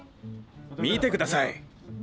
見てください。